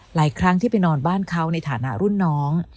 หลายครั้งที่ไปนอนบ้านเขาในฐานะรุ่นน้อง